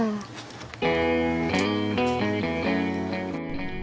pesimis atau optimis ditentukan oleh pikiran kita sendiri